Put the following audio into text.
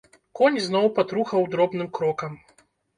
Конь зноў патрухаў дробным крокам.